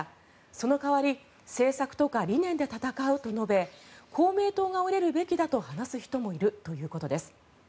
その代わり、政策とか理念で戦うと述べ公明党が折れるべきだと話す人もいるということです。